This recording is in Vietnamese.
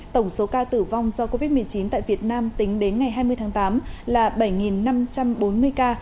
tổng số ca tử vong do covid một mươi chín tại việt nam tính đến ngày hai mươi tháng tám là bảy năm trăm bốn mươi ca